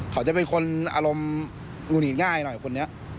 เขาจะเป็นคนอารมณ์หงุดหงิดง่ายหน่อยคนนี้